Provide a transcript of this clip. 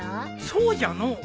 そうじゃのう。